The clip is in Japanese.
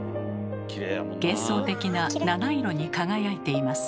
幻想的な七色に輝いています。